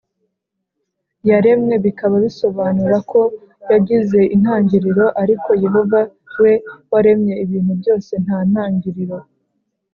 yaremwe bikaba bisobanura ko yagize intangiriro Ariko Yehova we waremye ibintu byose nta ntangiriro